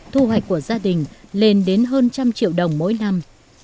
thu hoạch của gia đình lên đến hơn trăm triệu đồng mỗi năm